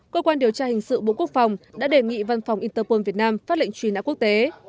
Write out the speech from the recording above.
cơ quan điều tra hình sự bộ quốc phòng đã đề nghị văn phòng interpol việt nam phát lệnh truy nã quốc tế